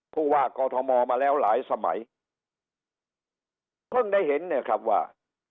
ผู้ว่ากอทมมาแล้วหลายสมัยเพิ่งได้เห็นเนี่ยครับว่า